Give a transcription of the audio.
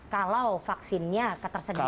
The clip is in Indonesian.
kalau vaksinnya ketersediaannya ada